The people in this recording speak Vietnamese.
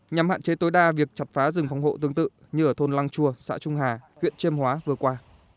nhằm hạn chế tối đa việc chặt phá rừng phòng hộ tương tự như ở thôn lăng chua xã trung hà huyện trêm hóa vừa qua